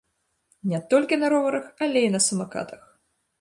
Не толькі на роварах, але і на самакатах!